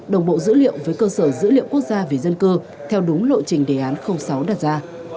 đồng bộ dữ liệu với cơ sở dữ liệu quốc gia về dân cư theo đúng lộ trình đề án sáu đặt ra